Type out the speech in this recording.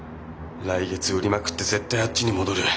来月売りまくって絶対あっちに戻る。